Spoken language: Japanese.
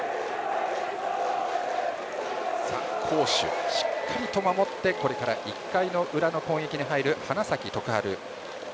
攻守、しっかりと守ってこれから１回の裏の攻撃に入る花咲徳栄。